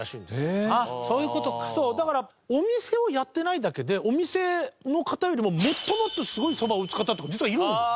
だからお店をやってないだけでお店の方よりももっともっとすごいそばを打つ方とかも実はいるんです。